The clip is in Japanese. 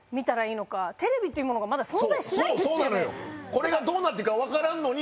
これがどうなっていくか分からんのに。